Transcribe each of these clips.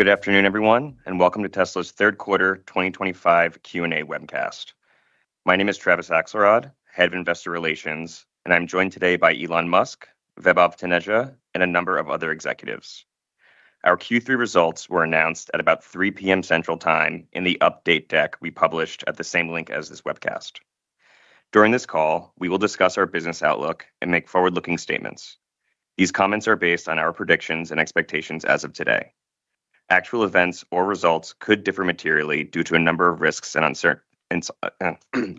Good afternoon, everyone, and welcome to Tesla's third quarter 2025 Q&A webcast. My name is Travis Axelrod, Head of Investor Relations, and I'm joined today by Elon Musk, Vaibhav Taneja, and a number of other executives. Our Q3 results were announced at about 3:00 P.M. Central Time in the update deck we published at the same link as this webcast. During this call, we will discuss our business outlook and make forward-looking statements. These comments are based on our predictions and expectations as of today. Actual events or results could differ materially due to a number of risks and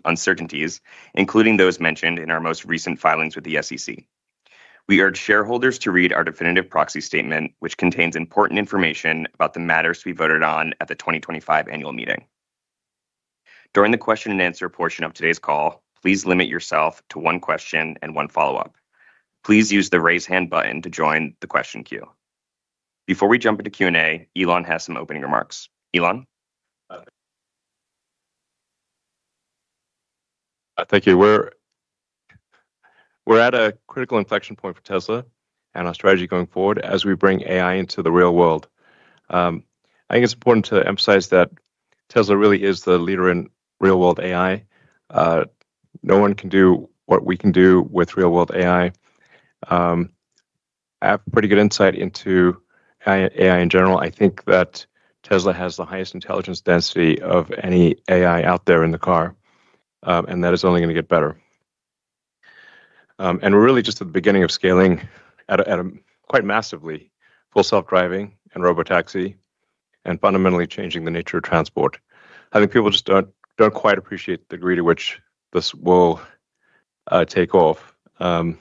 uncertainties, including those mentioned in our most recent filings with the SEC. We urge shareholders to read our definitive proxy statement, which contains important information about the matters to be voted on at the 2025 Annual Meeting. During the question-and-answer portion of today's call, please limit yourself to one question and one follow-up. Please use the raise hand button to join the question queue. Before we jump into Q&A, Elon has some opening remarks. Elon? Thank you. We're at a critical inflection point for Tesla and our strategy going forward as we bring AI into the real world. I think it's important to emphasize that Tesla really is the leader in real-world AI. No one can do what we can do with real-world AI. I have pretty good insight into AI in general. I think that Tesla has the highest intelligence density of any AI out there in the car, and that is only going to get better. We're really just at the beginning of scaling quite massively Full Self-Driving and Robotaxi and fundamentally changing the nature of transport. I think people just don't quite appreciate the degree to which this will take off. Honestly,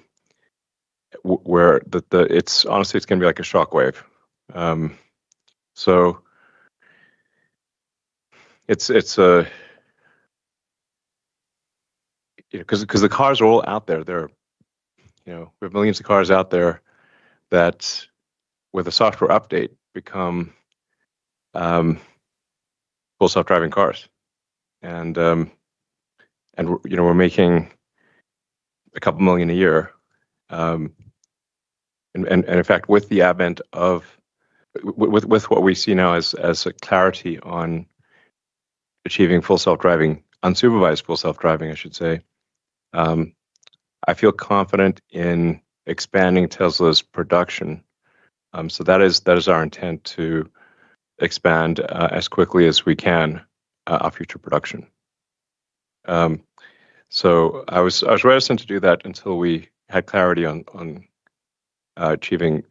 it's going to be like a shock wave. The cars are all out there. There are, you know, we have millions of cars out there that, with a software update, become Full Self-Driving cars. You know, we're making a couple million a year. In fact, with the advent of what we see now as a clarity on achieving Full Self-Driving, unsupervised Full Self-Driving, I should say, I feel confident in expanding Tesla's production. That is our intent to expand as quickly as we can our future production. I was reticent to do that until we had clarity on achieving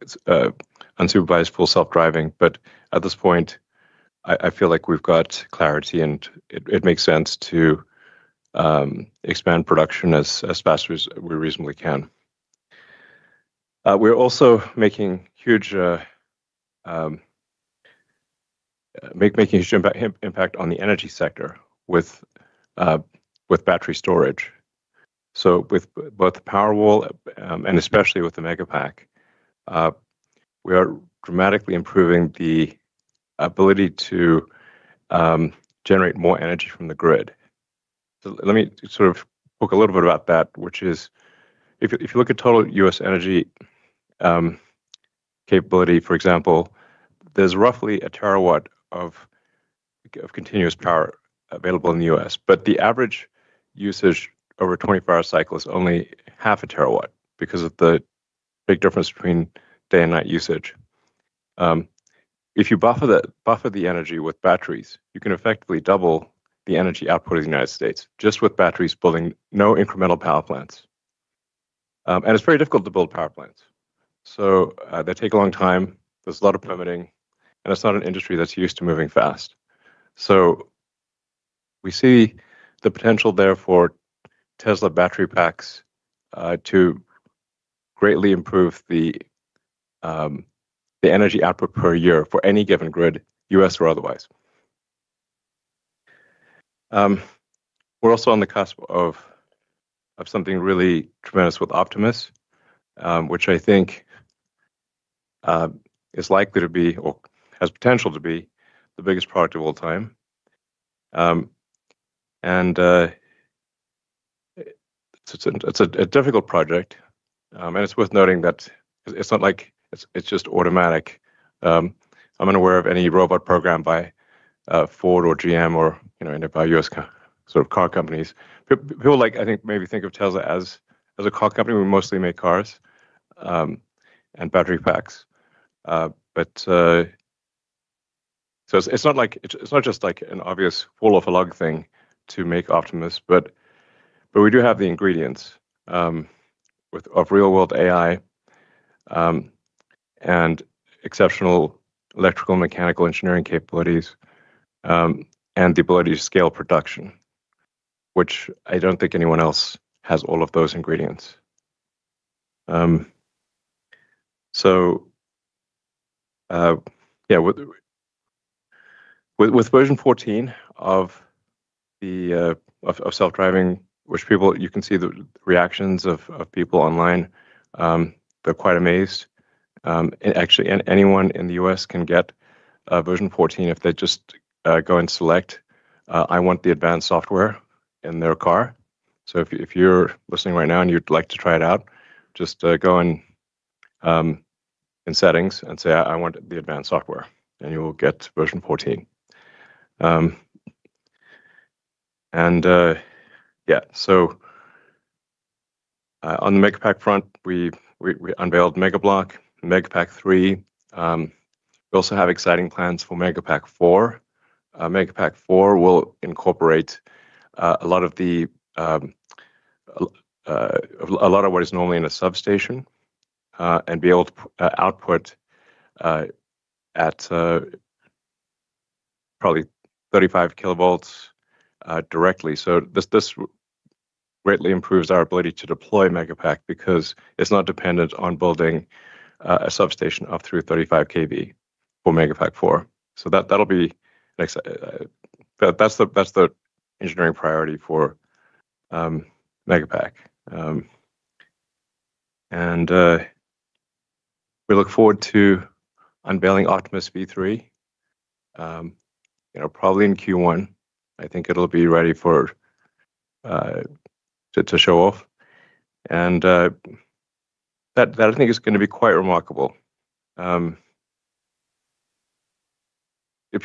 unsupervised Full Self-Driving. At this point, I feel like we've got clarity and it makes sense to expand production as fast as we reasonably can. We're also making a huge impact on the energy sector with battery storage. With both the Powerwall and especially with the Megapack, we are dramatically improving the ability to generate more energy from the grid. Let me sort of talk a little bit about that, which is if you look at total U.S. Energy capability, for example, there's roughly a terawatt of continuous power available in the U.S. The average usage over a 24-hour cycle is only 0.5 TW because of the big difference between day and night usage. If you buffer the energy with batteries, you can effectively double the energy output in the United States just with batteries building no incremental power plants. It's very difficult to build power plants. They take a long time. There's a lot of permitting. It's not an industry that's used to moving fast. We see the potential there for Tesla battery packs to greatly improve the energy output per year for any given grid, U.S. or otherwise. We're also on the cusp of something really tremendous with Optimus, which I think is likely to be, or has potential to be, the biggest product of all time. It's a difficult project. It's worth noting that it's not like it's just automatic. I'm unaware of any robot program by Ford or GM or any of our U.S. sort of car companies. People, I think, maybe think of Tesla as a car company. We mostly make cars and battery packs. It's not just like an obvious fall-off-a-log thing to make Optimus. We do have the ingredients of real-world AI and exceptional electrical and mechanical engineering capabilities and the ability to scale production, which I don't think anyone else has all of those ingredients. With version 14 of self-driving, people, you can see the reactions of people online. They're quite amazed. Actually, anyone in the U.S. can get version 14 if they just go and select, "I want the advanced software" in their car. If you're listening right now and you'd like to try it out, just go in settings and say, "I want the advanced software," and you will get version 14. On the Megapack front, we unveiled Megablock, Megapack 3. We also have exciting plans for Megapack 4. Megapack 4 will incorporate a lot of what is normally in a substation and be able to output at probably 35 kV s directly. This greatly improves our ability to deploy Megapack because it's not dependent on building a substation of 335 kV for Megapack 4. That'll be the engineering priority for Megapack. We look forward to unveiling Optimus V3, probably in Q1. I think it'll be ready for it to show off. That, I think, is going to be quite remarkable. It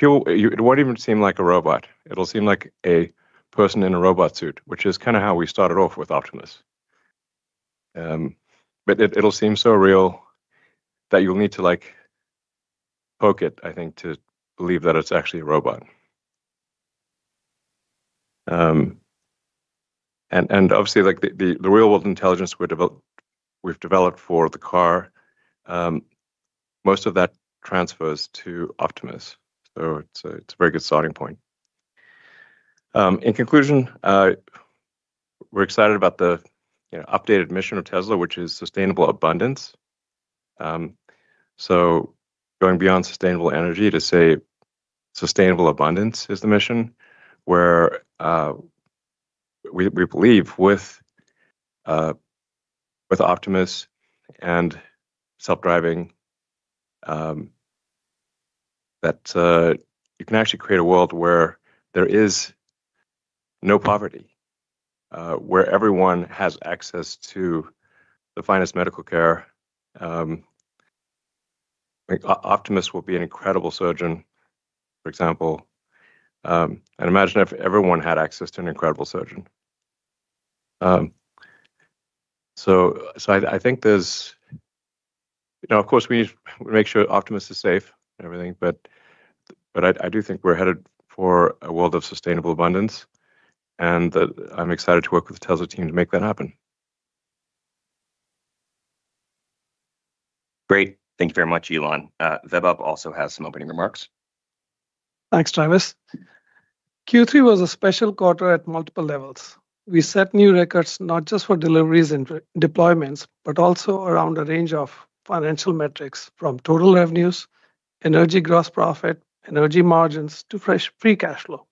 won't even seem like a robot. It'll seem like a person in a robot suit, which is kind of how we started off with Optimus. It'll seem so real that you'll need to like poke it, I think, to believe that it's actually a robot. Obviously, the real-world intelligence we've developed for the car, most of that transfers to Optimus. It's a very good starting point. In conclusion, we're excited about the updated mission of Tesla, which is sustainable abundance. Going beyond sustainable energy to say sustainable abundance is the mission, where we believe with Optimus and Self-Driving that you can actually create a world where there is no poverty, where everyone has access to the finest medical care. Optimus will be an incredible surgeon, for example. I'd imagine if everyone had access to an incredible surgeon. I think there's, you know, of course, we need to make sure Optimus is safe and everything. I do think we're headed for a world of sustainable abundance. I'm excited to work with the Tesla team to make that happen. Great. Thank you very much, Elon. Vaibhav also has some opening remarks. Thanks, Travis. Q3 was a special quarter at multiple levels. We set new records not just for deliveries and deployments, but also around a range of financial metrics from total revenues, energy gross profit, energy margins, to fresh free cash flow.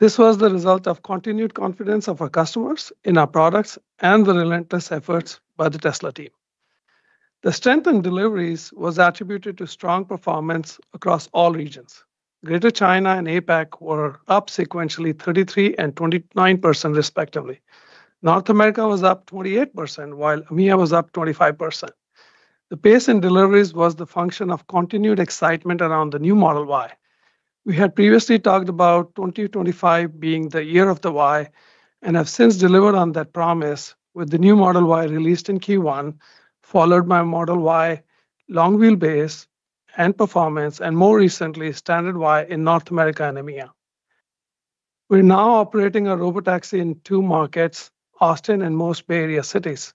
This was the result of continued confidence of our customers in our products and the relentless efforts by the Tesla team. The strength in deliveries was attributed to strong performance across all regions. Greater China and APAC were up sequentially 33% and 29% respectively. North America was up 28%, while EMEA was up 25%. The pace in deliveries was the function of continued excitement around the new Model Y. We had previously talked about 2025 being the year of the Y and have since delivered on that promise with the new Model Y released in Q1, followed by Model Y long-wheelbase and performance, and more recently, Standard Y in North America and EMEA. We're now operating our Robotaxi in two markets, Austin and most Bay Area cities.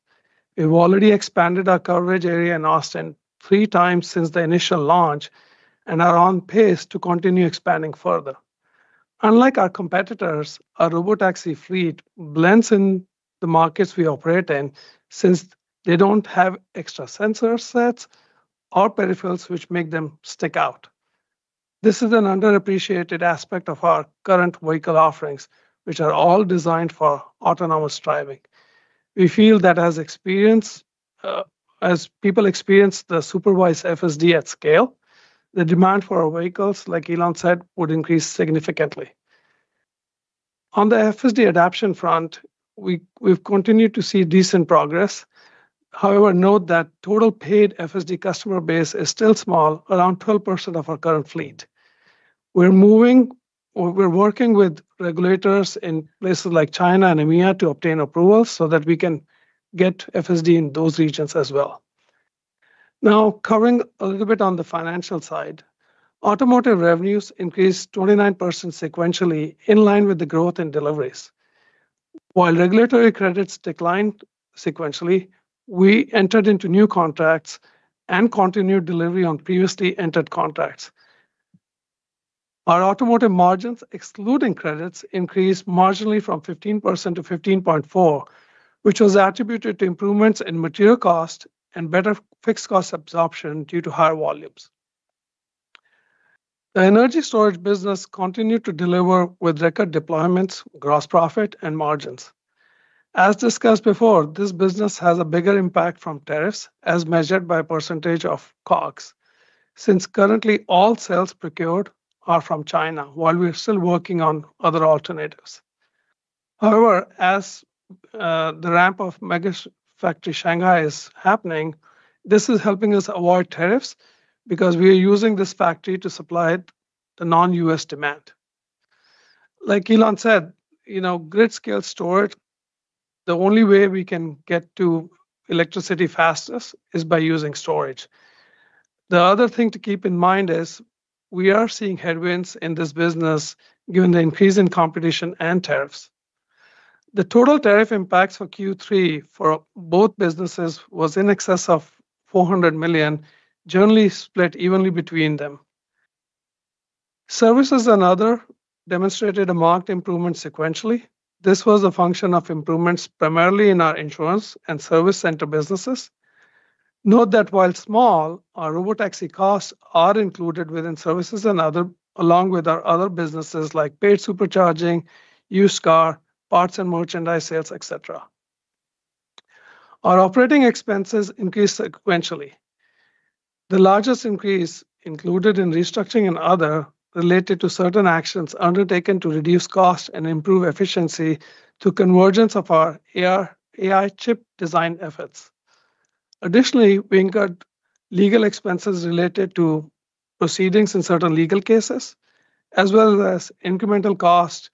We've already expanded our coverage area in Austin 3x since the initial launch and are on pace to continue expanding further. Unlike our competitors, our robotaxi fleet blends in the markets we operate in since they don't have extra sensor sets or peripherals which make them stick out. This is an underappreciated aspect of our current vehicle offerings, which are all designed for autonomous driving. We feel that as people experience the supervised FSD at scale, the demand for our vehicles, like Elon said, would increase significantly. On the FSD adoption front, we've continued to see decent progress. However, note that total paid FSD customer base is still small, around 12% of our current fleet. We're working with regulators in places like China and EMEA to obtain approvals so that we can get FSD in those regions as well. Now, covering a little bit on the financial side, automotive revenues increased 29% sequentially in line with the growth in deliveries. While regulatory credits declined sequentially, we entered into new contracts and continued delivery on previously entered contracts. Our automotive margins, excluding credits, increased marginally from 15% to 15.4%, which was attributed to improvements in material cost and better fixed cost absorption due to higher volumes. The energy storage business continued to deliver with record deployments, gross profit, and margins. As discussed before, this business has a bigger impact from tariffs, as measured by a percentage of COGS, since currently all sales procured are from China, while we're still working on other alternatives. However, as the ramp-up of Mega Factory Shanghai is happening, this is helping us avoid tariffs because we are using this factory to supply the non-U.S. demand. Like Elon said, you know, grid-scale storage, the only way we can get to electricity fastest is by using storage. The other thing to keep in mind is we are seeing headwinds in this business given the increase in competition and tariffs. The total tariff impacts for Q3 for both businesses were in excess of $400 million, generally split evenly between them. Services and other demonstrated a marked improvement sequentially. This was a function of improvements primarily in our insurance and service center businesses. Note that while small, our Robotaxi costs are included within services and other, along with our other businesses like paid Supercharging, used car, parts and merchandise sales, etc. Our operating expenses increased sequentially. The largest increase included in restructuring and other related to certain actions undertaken to reduce cost and improve efficiency through convergence of our AI chip design efforts. Additionally, we incurred legal expenses related to proceedings in certain legal cases, as well as incremental costs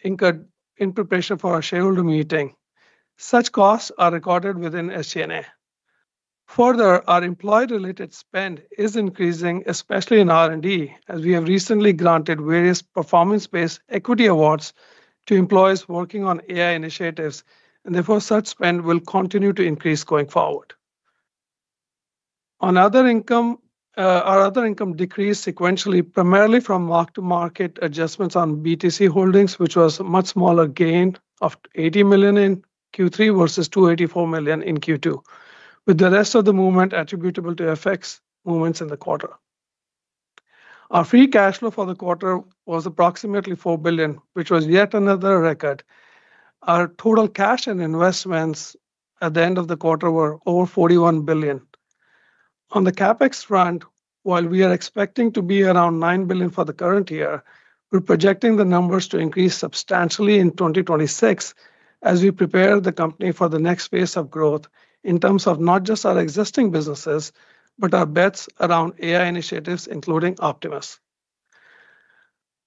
incurred in preparation for our shareholder meeting. Such costs are recorded within SG&A. Further, our employee-related spend is increasing, especially in R&D, as we have recently granted various performance-based equity awards to employees working on AI initiatives, and therefore such spend will continue to increase going forward. Our other income decreased sequentially, primarily from mark-to-market adjustments on BTC holdings, which was a much smaller gain of $80 million in Q3 versus $284 million in Q2, with the rest of the movement attributable to FX movements in the quarter. Our free cash flow for the quarter was approximately $4 billion, which was yet another record. Our total cash and investments at the end of the quarter were over $41 billion. On the CapEx front, while we are expecting to be around $9 billion for the current year, we're projecting the numbers to increase substantially in 2026 as we prepare the company for the next phase of growth in terms of not just our existing businesses, but our bets around AI initiatives, including Optimus.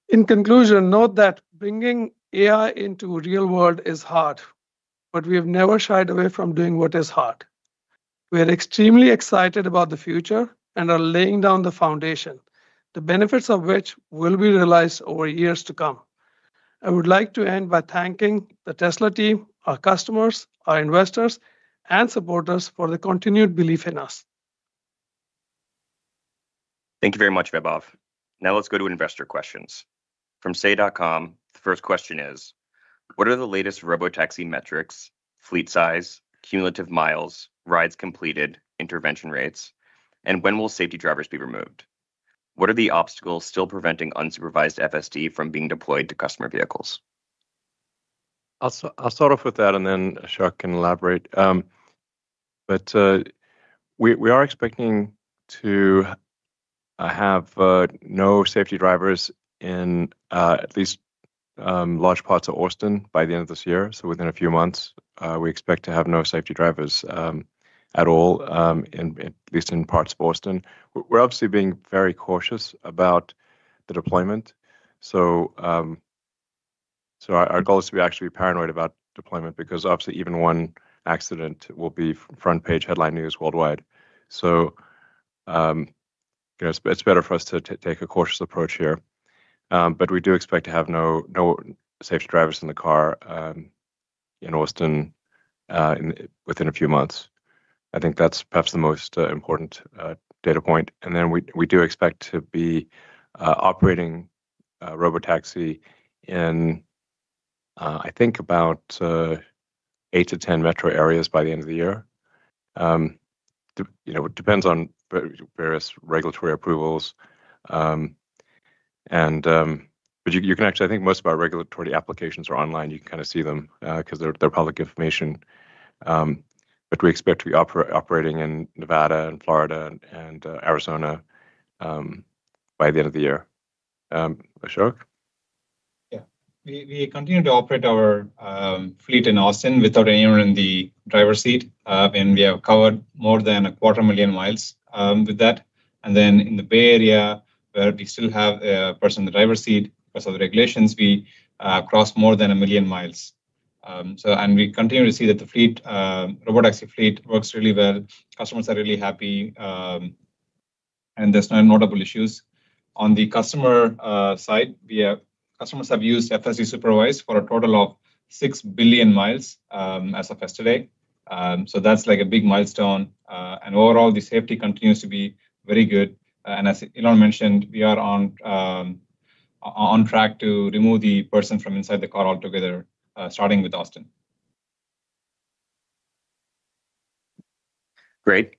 In conclusion, note that bringing AI into the real world is hard, but we have never shied away from doing what is hard. We are extremely excited about the future and are laying down the foundation, the benefits of which will be realized over years to come. I would like to end by thanking the Tesla team, our customers, our investors, and supporters for the continued belief in us. Thank you very much, Vaibhav. Now let's go to investor questions. From say.com, the first question is, what are the latest robotaxi metrics, fleet size, cumulative miles, rides completed, intervention rates, and when will safety drivers be removed? What are the obstacles still preventing unsupervised FSD from being deployed to customer vehicles? I'll start off with that, and then Ashok can elaborate. We are expecting to have no safety drivers in at least large parts of Austin by the end of this year. Within a few months, we expect to have no safety drivers at all, at least in parts of Austin. We're obviously being very cautious about the deployment. Our goal is to be actually paranoid about deployment because obviously even one accident will be front-page headline news worldwide. It is better for us to take a cautious approach here. We do expect to have no safety drivers in the car in Austin within a few months. I think that's perhaps the most important data point. We do expect to be operating robotaxi in, I think, about eight to 10 metro areas by the end of the year. It depends on various regulatory approvals. You can actually, I think, most of our regulatory applications are online. You can kind of see them because they're public information. We expect to be operating in Nevada and Florida and Arizona by the end of the year. Ashok? Yeah. We continue to operate our fleet in Austin without anyone in the driver's seat, and we have covered more than a 250,000 mi with that. In the Bay Area, where we still have a person in the driver's seat because of the regulations, we cross more than a 1 million mi. We continue to see that the Robotaxi fleet works really well. Customers are really happy, and there's no notable issues. On the customer side, customers have used Full Self-Driving supervised for a total of 6 billion mil as of yesterday. That's a big milestone. Overall, the safety continues to be very good. As Elon mentioned, we are on track to remove the person from inside the car altogether, starting with Austin. Great.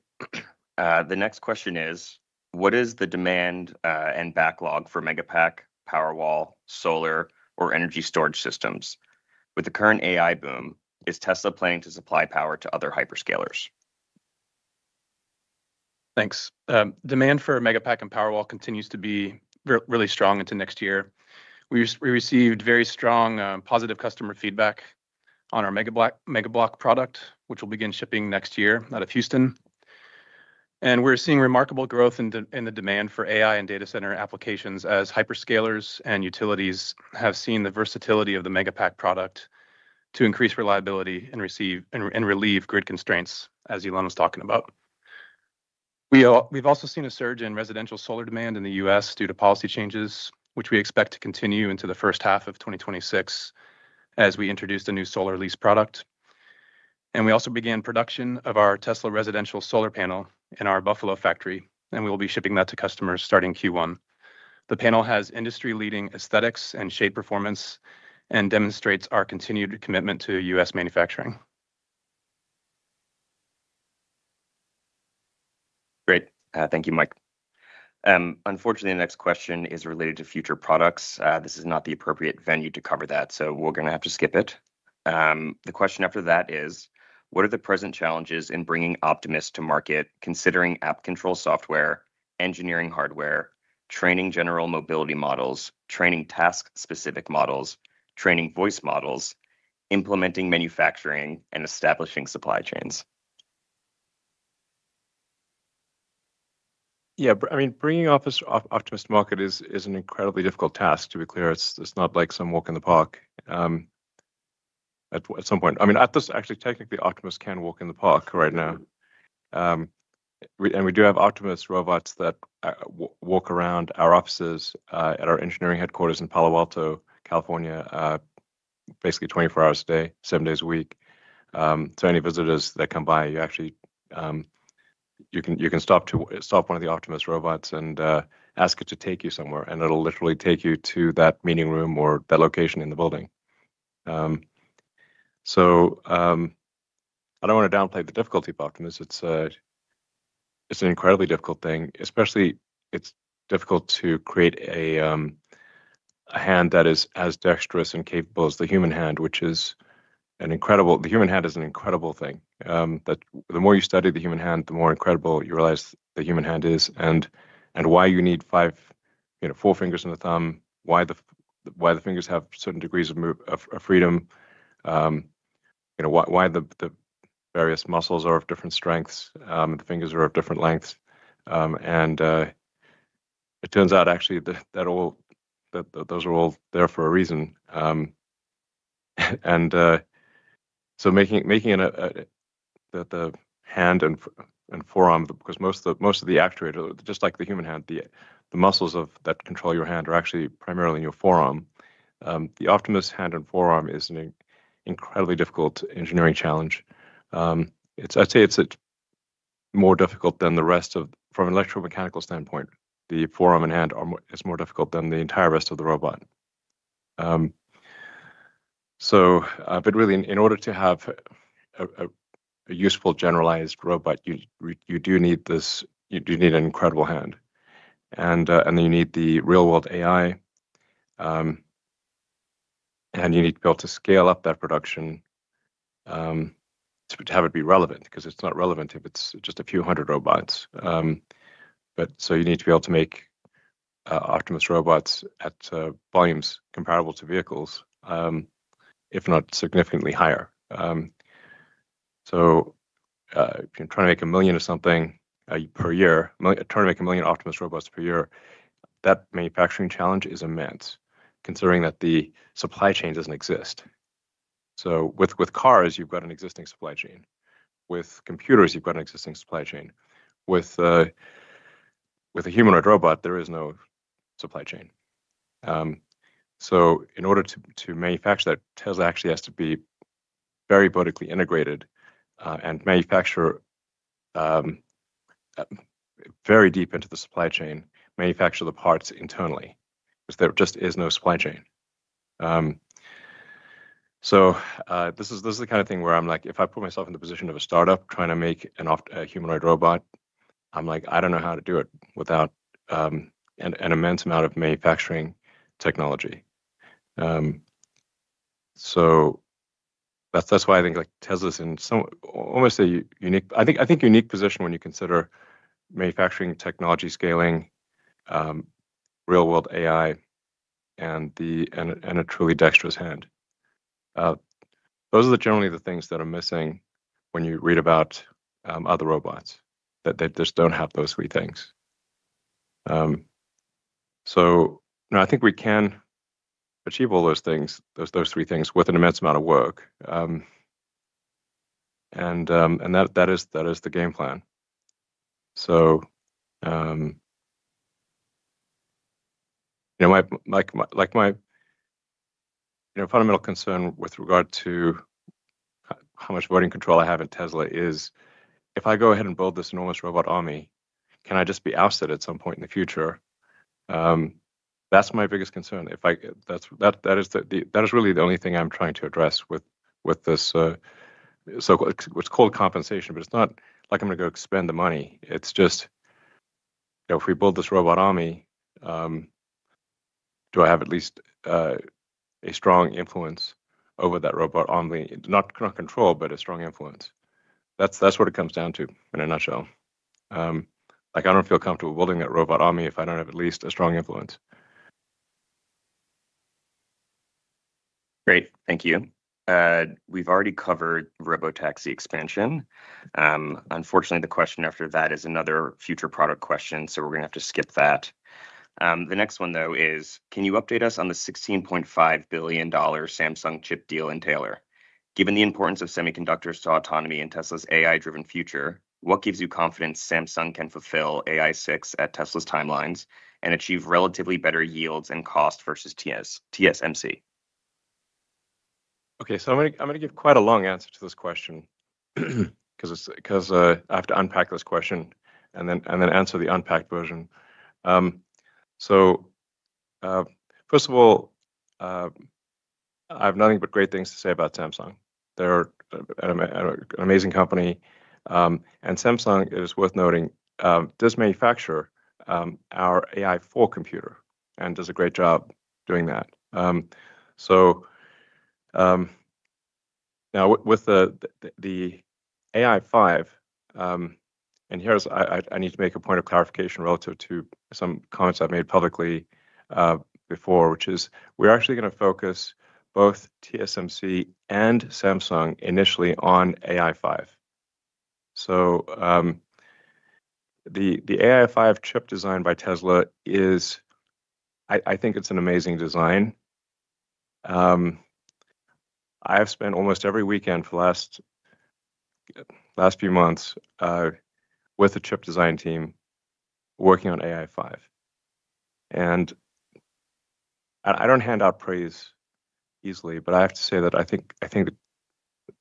The next question is, what is the demand and backlog for Megapack, Powerwall, Solar, or Energy Storage systems? With the current AI boom, is Tesla planning to supply power to other hyperscalers? Thanks. Demand for Megapack and Powerwall continues to be really strong into next year. We received very strong positive customer feedback on our Megapack product, which will begin shipping next year out of Houston. We're seeing remarkable growth in the demand for AI and data center applications as hyperscalers and utilities have seen the versatility of the Megapack product to increase reliability and relieve grid constraints, as Elon was talking about. We've also seen a surge in residential solar demand in the U.S. due to policy changes, which we expect to continue into the first half of 2026 as we introduce a new solar lease product. We also began production of our Tesla residential solar panel in our Buffalo factory, and we will be shipping that to customers starting Q1. The panel has industry-leading aesthetics and shade performance and demonstrates our continued commitment to U.S. manufacturing. Great. Thank you, Mike. Unfortunately, the next question is related to future products. This is not the appropriate venue to cover that, so we're going to have to skip it. The question after that is, what are the present challenges in bringing Optimus to market, considering app control software, engineering hardware, training general mobility models, training task-specific models, training voice models, implementing manufacturing, and establishing supply chains? Yeah, I mean, bringing Optimus to market is an incredibly difficult task, to be clear. It's not like some walk in the park at some point. I mean, actually, technically, Optimus can walk in the park right now. We do have Optimus robots that walk around our offices at our engineering headquarters in Palo Alto, California, basically 24 hours a day, seven days a week. Any visitors that come by, you actually can stop one of the Optimus robots and ask it to take you somewhere, and it'll literally take you to that meeting room or that location in the building. I don't want to downplay the difficulty of Optimus. It's an incredibly difficult thing. Especially, it's difficult to create a hand that is as dexterous and capable as the human hand, which is an incredible... The human hand is an incredible thing. The more you study the human hand, the more incredible you realize the human hand is and why you need four fingers and the thumb, why the fingers have certain degrees of freedom, why the various muscles are of different strengths, and the fingers are of different lengths. It turns out, actually, that those are all there for a reason. Making the hand and forearm, because most of the actuator, just like the human hand, the muscles that control your hand are actually primarily in your forearm. The Optimus hand and forearm is an incredibly difficult engineering challenge. I'd say it's more difficult than the rest of... From an electromechanical standpoint, the forearm and hand are more difficult than the entire rest of the robot. Really, in order to have a useful generalized robot, you do need an incredible hand. You need the real-world AI. You need to be able to scale up that production to have it be relevant, because it's not relevant if it's just a few hundred robots. You need to be able to make Optimus robots at volumes comparable to vehicles, if not significantly higher. If you're trying to make a million or something per year, trying to make a million Optimus robots per year, that manufacturing challenge is immense, considering that the supply chain doesn't exist. With cars, you've got an existing supply chain. With computers, you've got an existing supply chain. With a humanoid robot, there is no supply chain. In order to manufacture that, Tesla actually has to be very vertically integrated and manufacture very deep into the supply chain, manufacture the parts internally, because there just is no supply chain. This is the kind of thing where I'm like, if I put myself in the position of a startup trying to make a humanoid robot, I'm like, I don't know how to do it without an immense amount of manufacturing technology. That's why I think Tesla is in almost a unique, I think, unique position when you consider manufacturing technology, scaling, real-world AI, and a truly dexterous hand. Those are generally the things that are missing when you read about other robots that just don't have those three things. I think we can achieve all those things, those three things, with an immense amount of work. That is the game plan. My fundamental concern with regard to how much voting control I have at Tesla is, if I go ahead and build this enormous robot army, can I just be ousted at some point in the future? That's my biggest concern. That is really the only thing I'm trying to address with this. It's called compensation, but it's not like I'm going to go spend the money. It's just, if we build this robot army, do I have at least a strong influence over that robot army? Not control, but a strong influence. That's what it comes down to in a nutshell. I don't feel comfortable building that robot army if I don't have at least a strong influence. Great. Thank you. We've already covered robotaxi expansion. Unfortunately, the question after that is another future product question, so we're going to have to skip that. The next one, though, is, can you update us on the $16.5 billion Samsung chip deal in Taylor? Given the importance of semiconductors to autonomy in Tesla's AI-driven future, what gives you confidence Samsung can fulfill AI6 at Tesla's timelines and achieve relatively better yields and cost versus TSMC? Okay, so I'm going to give quite a long answer to this question because I have to unpack this question and then answer the unpacked version. First of all, I have nothing but great things to say about Samsung. They're an amazing company. Samsung, it is worth noting, does manufacture our AI4 computer and does a great job doing that. Now with the AI5, I need to make a point of clarification relative to some comments I've made publicly before, which is we're actually going to focus both TSMC and Samsung initially on AI5. The AI5 chip design by Tesla is, I think it's an amazing design. I've spent almost every weekend for the last few months with the chip design team working on AI5. I don't hand out praise easily, but I have to say that I think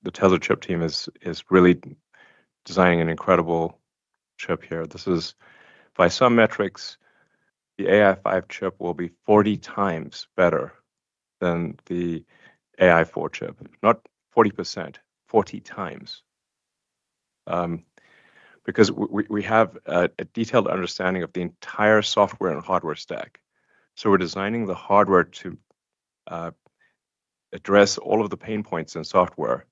the Tesla chip team is really designing an incredible chip here. By some metrics, the AI5 chip will be 40x better than the AI4 chip. Not 40%, 40x. Because we have a detailed understanding of the entire software and hardware stack, we're designing the hardware to address all of the pain points in software.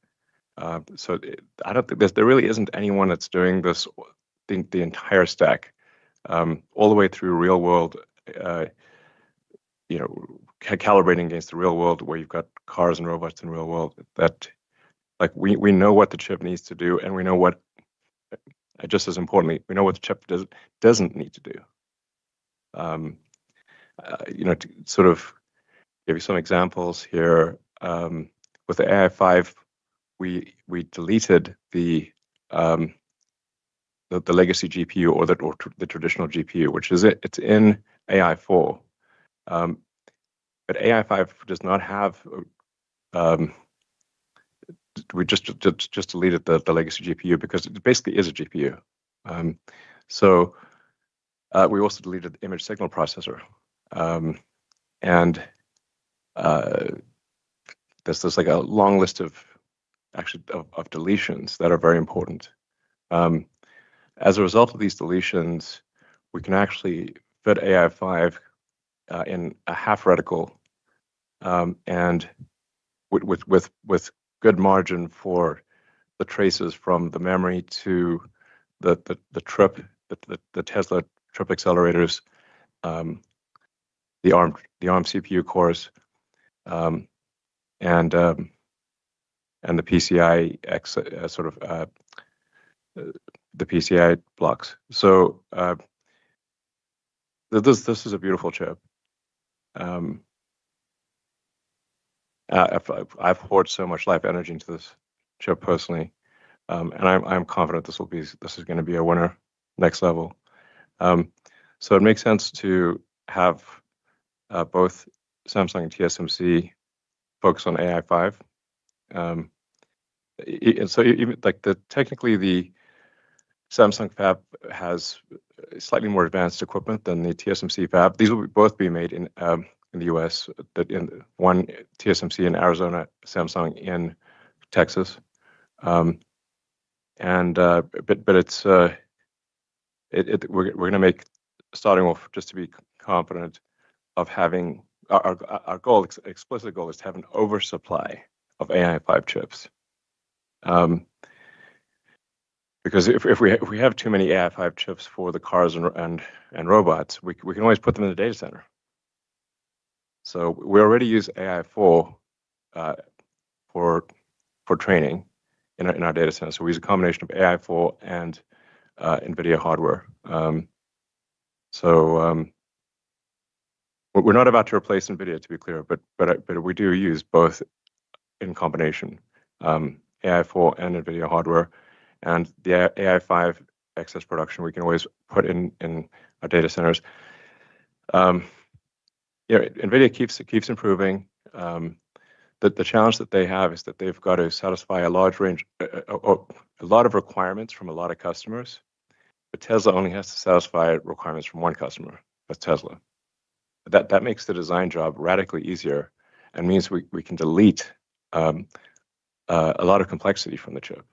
I don't think there really is anyone that's doing this, the entire stack, all the way through real world, calibrating against the real world where you've got cars and robots in real world. We know what the chip needs to do, and just as importantly, we know what the chip doesn't need to do. To give you some examples here, with the AI5, we deleted the legacy GPU or the traditional GPU, which is in AI4. AI5 does not have, we just deleted the legacy GPU because it basically is a GPU. We also deleted the image signal processor. There's a long list of deletions that are very important. As a result of these deletions, we can actually fit AI5 in a half radical and with good margin for the traces from the memory to the chip, the Tesla chip accelerators, the ARM CPU cores, and the PCI blocks. This is a beautiful chip. I've poured so much life energy into this chip personally. I'm confident this is going to be a winner, next level. It makes sense to have both Samsung and TSMC focus on AI5. Technically, the Samsung fab has slightly more advanced equipment than the TSMC fab. These will both be made in the U.S., one TSMC in Arizona, Samsung in Texas. We're going to make, starting off, just to be confident of having our goal, explicit goal is to have an oversupply of AI5 chips. Because if we have too many AI5 chips for the cars and robots, we can always put them in the data center. We already use AI4 for training in our data center. We use a combination of AI4 and NVIDIA hardware. We're not about to replace NVIDIA, to be clear, but we do use both in combination, AI4 and NVIDIA hardware. The AI5 excess production, we can always put in our data centers. NVIDIA keeps improving. The challenge that they have is that they've got to satisfy a large range or a lot of requirements from a lot of customers. Tesla only has to satisfy requirements from one customer. That's Tesla. That makes the design job radically easier and means we can delete a lot of complexity from the chip.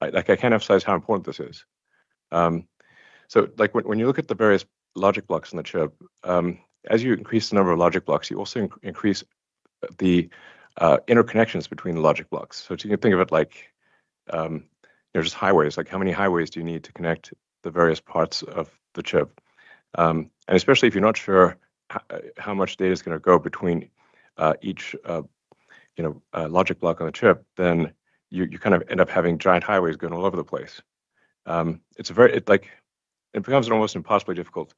I can't emphasize how important this is. When you look at the various logic blocks in the chip, as you increase the number of logic blocks, you also increase the interconnections between the logic blocks. You can think of it like just highways, like how many highways do you need to connect the various parts of the chip? Especially if you're not sure how much data is going to go between each logic block on the chip, you kind of end up having giant highways going all over the place. It becomes an almost impossibly difficult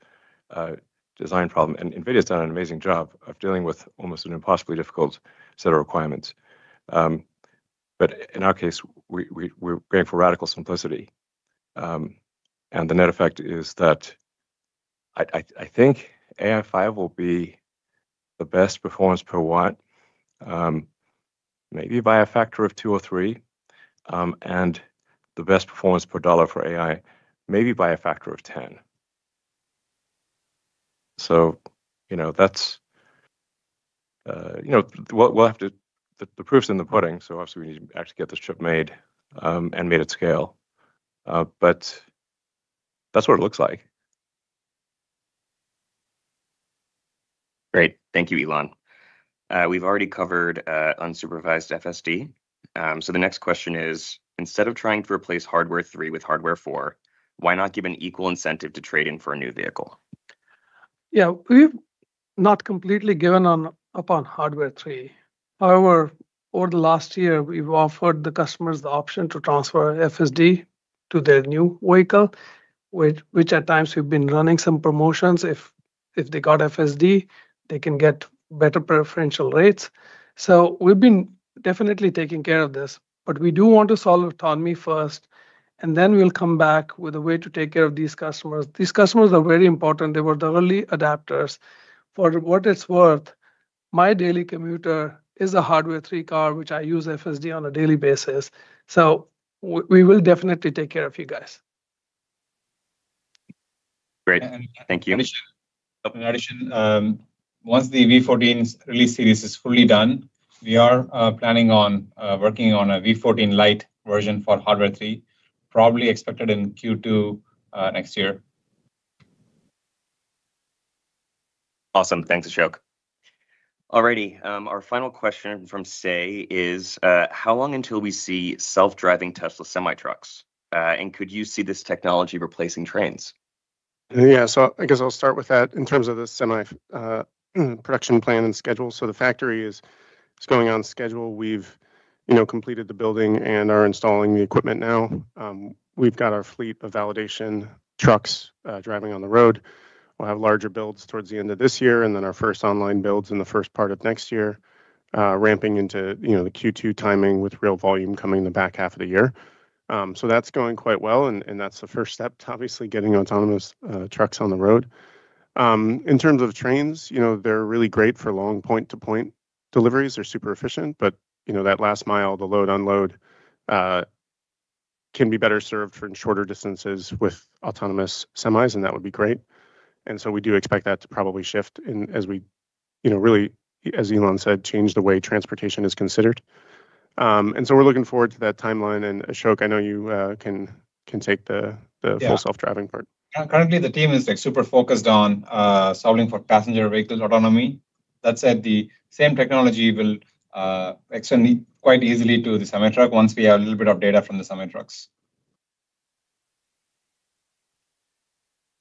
design problem. NVIDIA has done an amazing job of dealing with almost an impossibly difficult set of requirements. In our case, we're going for radical simplicity. The net effect is that I think AI5 will be the best performance per watt, maybe by a factor of two or three, and the best performance per dollar for AI, maybe by a factor of 10. The proof's in the pudding. Obviously, we need to actually get this chip made and made at scale. That's what it looks like. Great. Thank you, Elon. We've already covered unsupervised FSD. The next question is, instead of trying to replace Hardware 3 with Hardware 4, why not give an equal incentive to trade in for a new vehicle? Yeah, we've not completely given up on Hardware 3. However, over the last year, we've offered the customers the option to transferFSD to their new vehicle, which at times we've been running some promotions. If they got FSD, they can get better preferential rates. We've been definitely taking care of this, but we do want to solve autonomy first. We will come back with a way to take care of these customers. These customers are very important. They were the early adopters. For what it's worth, my daily commuter is a Hardware 3 car, which I use FSD on a daily basis. We will definitely take care of you guys. Great. Thank you. Once the V14 release series is fully done, we are planning on working on a V14 Lite version for Hardware 3, probably expected in Q2 next year. Awesome. Thanks, Ashok. All righty. Our final question from Say is, how long until we see self-driving Tesla semi-trucks? Could you see this technology replacing trains? Yeah, I guess I'll start with that in terms of the semi-production plan and schedule. The factory is going on schedule. We've completed the building and are installing the equipment now. We've got our fleet of validation trucks driving on the road. We'll have larger builds towards the end of this year and then our first online builds in the first part of next year, ramping into the Q2 timing with real volume coming in the back half of the year. That's going quite well. That's the first step to obviously getting autonomous trucks on the road. In terms of trains, you know they're really great for long point-to-point deliveries. They're super efficient, but you know that last mile, the load unload, can be better served for shorter distances with autonomous semis, and that would be great. We do expect that to probably shift as we, you know really, as Elon said, change the way transportation is considered. We're looking forward to that timeline. Ashok, I know you can take the Full Self-Driving part. Currently, the team is like super focused on solving for passenger vehicle autonomy. That said, the same technology will extend quite easily to the semi-truck once we have a little bit of data from the semi-trucks.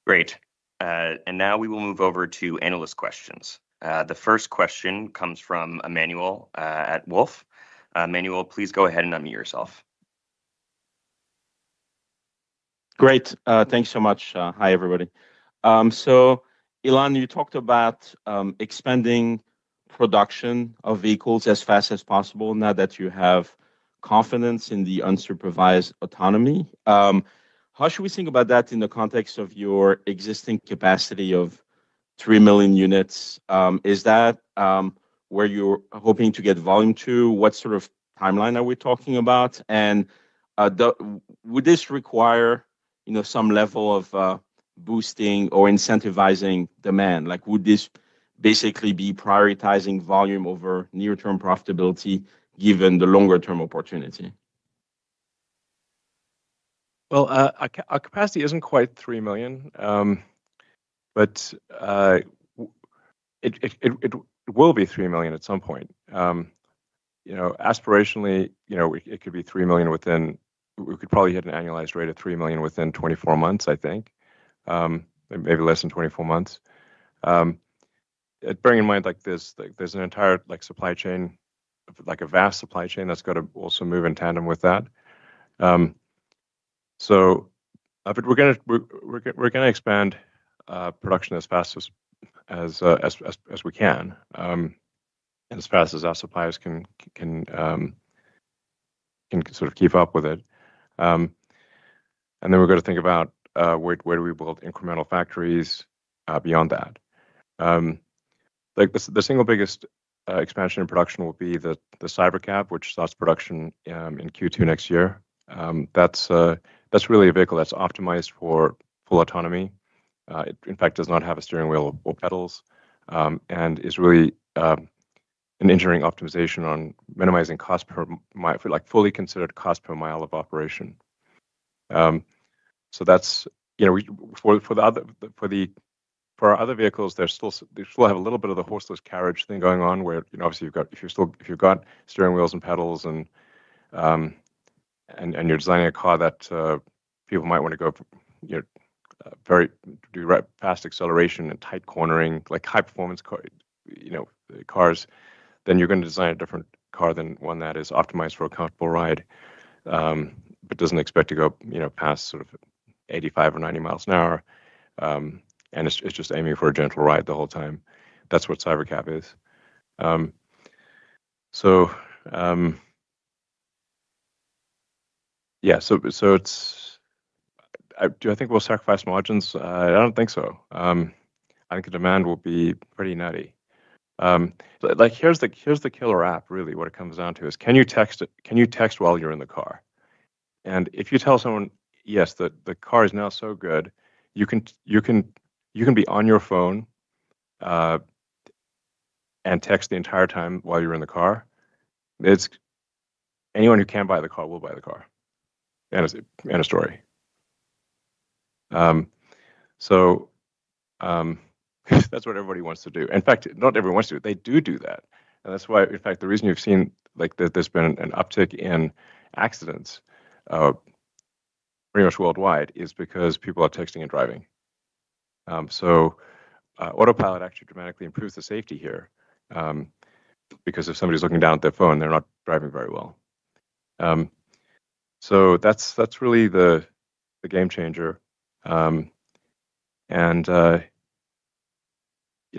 Great. We will move over to analyst questions. The first question comes from Emmanuel at Wolfe. Emmanuel, please go ahead and unmute yourself. Great. Thanks so much. Hi, everybody. Elon, you talked about expanding production of vehicles as fast as possible now that you have confidence in the unsupervised autonomy. How should we think about that in the context of your existing capacity of 3 million units? Is that where you're hoping to get volume to? What sort of timeline are we talking about? Would this require some level of boosting or incentivizing demand? Would this basically be prioritizing volume over near-term profitability given the longer-term opportunity? Our capacity isn't quite 3 million, but it will be 3 million at some point. Aspirationally, it could be 3 million within... We could probably hit an annualized rate of 3 million within 24 months, I think. Maybe less than 24 months. Bearing in mind, there is an entire supply chain, like a vast supply chain that's got to also move in tandem with that. We are going to expand production as fast as we can and as fast as our suppliers can sort of keep up with it. We've got to think about where we build incremental factories beyond that. The single biggest expansion in production will be the Cybercab, which starts production in Q2 next year. That's really a vehicle that's optimized for full autonomy. It, in fact, does not have a steering wheel or pedals and is really an engineering optimization on minimizing cost per mile, fully considered cost per mile of operation. For our other vehicles, they still have a little bit of the horseless carriage thing going on where, obviously, if you've got steering wheels and pedals and you're designing a car that people might want to go very fast acceleration and tight cornering, like high-performance cars, then you're going to design a different car than one that is optimized for a comfortable ride, but doesn't expect to go past sort of 85 mi or 90 mi an hour. It is just aiming for a gentle ride the whole time. That's what Cybercab is. Do I think we'll sacrifice margins? I don't think so. I think the demand will be pretty nutty. Here's the killer app, really, what it comes down to is can you text while you're in the car? If you tell someone, yes, the car is now so good, you can be on your phone and text the entire time while you're in the car. Anyone who can buy the car will buy the car, end of story. That's what everybody wants to do. In fact, not everyone wants to do it. They do do that. The reason you've seen that there's been an uptick in accidents pretty much worldwide is because people are texting and driving. Autopilot actually dramatically improves the safety here because if somebody's looking down at their phone, they're not driving very well. That's really the game changer. You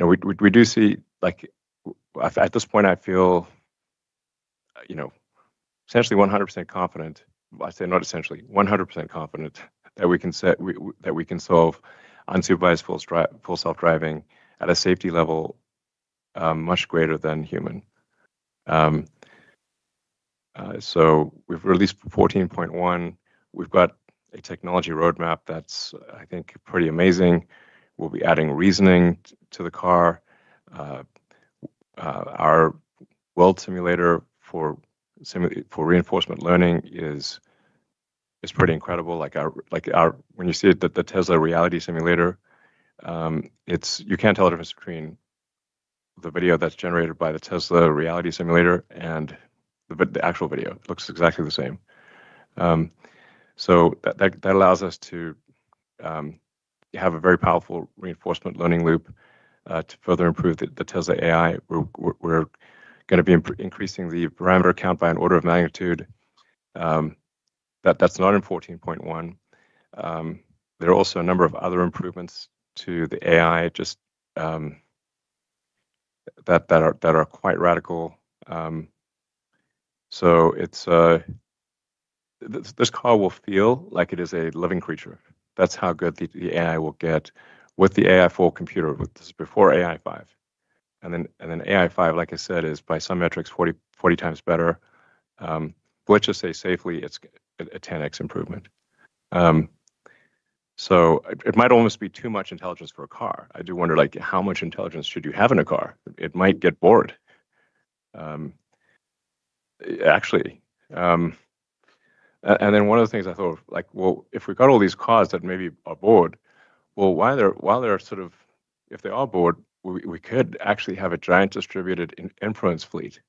know, we do see, at this point, I feel, essentially 100% confident, I say not essentially, 100% confident that we can solve unsupervised Full Self-Driving at a safety level much greater than human. We've released 14.1. We've got a technology roadmap that's, I think, pretty amazing. We'll be adding reasoning to the car. Our world simulator for reinforcement learning is pretty incredible. When you see the Tesla reality simulator, you can't tell the difference between the video that's generated by the Tesla reality simulator and the actual video. It looks exactly the same. That allows us to have a very powerful reinforcement learning loop to further improve the Tesla AI. We're going to be increasing the parameter count by an order of magnitude. That's not in 14.1. There are also a number of other improvements to the AI that are quite radical. This car will feel like it is a living creature. That's how good the AI will get with the AI4 computer. This is before AI5. AI5, like I said, is by some metrics 40x better. Let's just say safely it's a 10x improvement. It might almost be too much intelligence for a car. I do wonder how much intelligence should you have in a car. It might get bored. Actually, one of the things I thought, if we've got all these cars that maybe are bored, while they're sort of, if they are bored, we could actually have a giant distributed inference fleet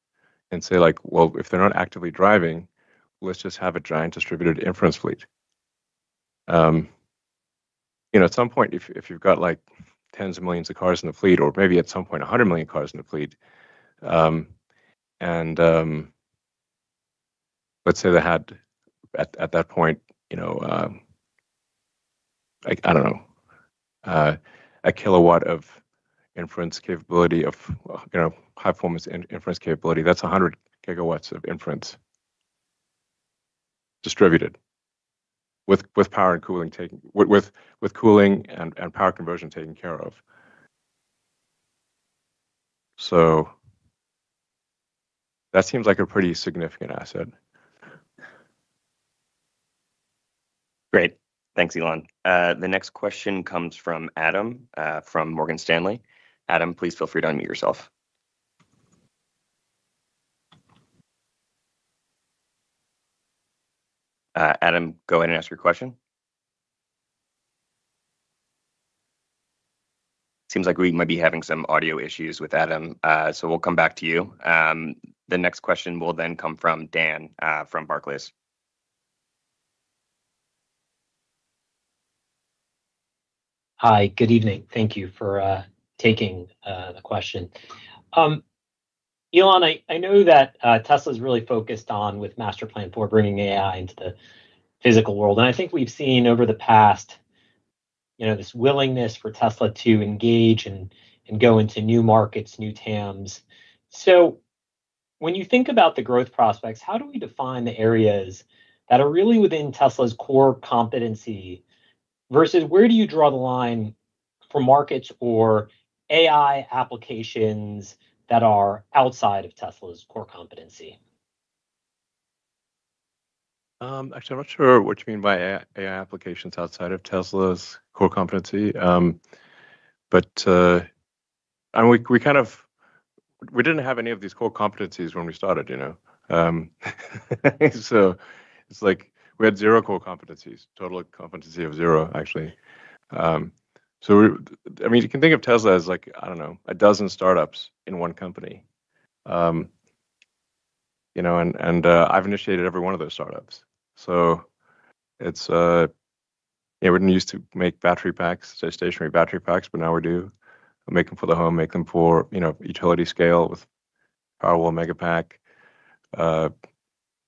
and say, if they're not actively driving, let's just have a giant distributed inference fleet. At some point, if you've got tens of millions of cars in the fleet, or maybe at some point 100 million cars in the fleet, and let's say they had at that point, I don't know, a 1 KW of inference capability, of high-performance inference capability, that's 100 GW of inference distributed with power and cooling taken, with cooling and power conversion taken care of. That seems like a pretty significant asset. Great. Thanks, Elon. The next question comes from Adam from Morgan Stanley. Adam, please feel free to unmute yourself. Adam, go ahead and ask your question. Seems like we might be having some audio issues with Adam. We'll come back to you. The next question will then come from Dan from Barclays. Hi, good evening. Thank you for taking the question. Elon, I know that Tesla's really focused on with Master Plan 4 bringing AI into the physical world. I think we've seen over the past, you know, this willingness for Tesla to engage and go into new markets, new TAMs. When you think about the growth prospects, how do we define the areas that are really within Tesla's core competency versus where do you draw the line for markets or AI applications that are outside of Tesla's core competency? Actually, I'm not sure what you mean by AI applications outside of Tesla's core competency. I mean, we kind of, we didn't have any of these core competencies when we started, you know. It's like we had zero core competencies, total competency of zero, actually. You can think of Tesla as like, I don't know, a dozen startups in one company. I've initiated every one of those startups. We didn't used to make battery packs, stationary battery packs, but now we do. We make them for the home, make them for, you know, utility scale with Powerwall, Megapack.